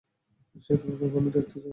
সে তোমাকে কখনো দেখতে চায় না।